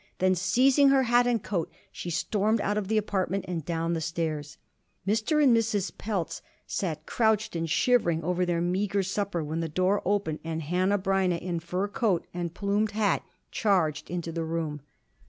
Then seizing her hat and coat, she stormed out of the apartment and down the stairs. Mr. and Mrs. Pelz sat crouched and shivering over their meager supper when the door opened, and Hanneh Breineh in fur coat and plumed hat charged into the room.